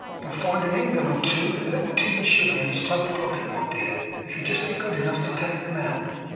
You'll find a ingun or two, and a little tea and sugar in his t'other pocket, my dear, if you'll just be good enough to take 'em out.